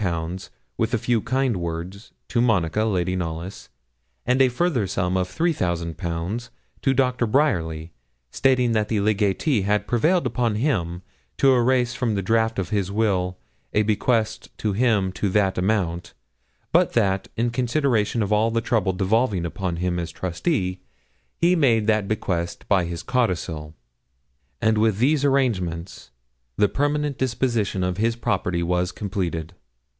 with a few kind words, to Monica, Lady Knollys, and a further sum of 3,000_l_. to Dr. Bryerly, stating that the legatee had prevailed upon him to erase from the draft of his will a bequest to him to that amount, but that, in consideration of all the trouble devolving upon him as trustee, he made that bequest by his codicil; and with these arrangements the permanent disposition of his property was completed.